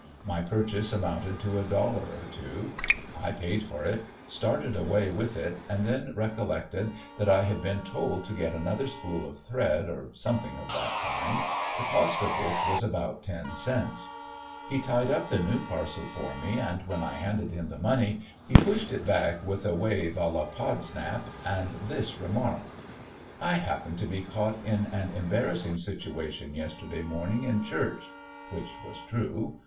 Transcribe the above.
My purchase amounted to a dollar or two. I paid for it, started away with it, and then recollected that I had been told to get another spool of thread, or some thing of that kind, the cost of which was about ten cents. He tied up the new parcel for me, and when I handed him the money, he pushed it back with a wave a la Podsnap, and this remark : "I happened to be caught in an embarrass ing situation yesterday morning in church " (which was true).